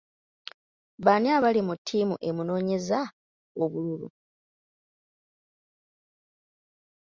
Baani abali ku tiimu emunoonyeza obululu?